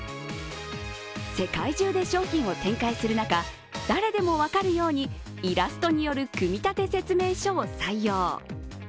世界中で商品を展開する中、誰でも分かるようにイラストによる組み立て説明書を採用。